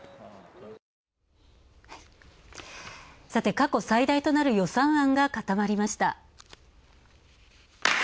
過去最大となる予算案が固まりました。